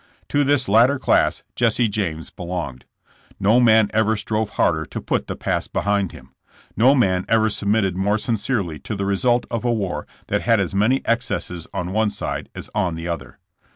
To this latter class Jesse James belonged. No man ever strove harder to put the past behind him. No man ever submitted more sincerely to the result of a war that had as many excesses on one side as on the other.